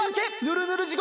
ぬるぬるじ